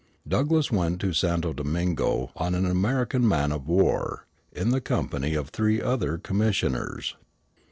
Douglass went to Santo Domingo on an American man of war, in the company of three other commissioners.